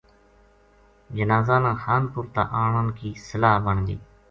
جنازا نا خانپور تا آنن کی صلاح بن گئی